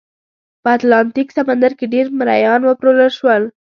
په اتلانتیک سمندر کې ډېر مریان وپلورل شول.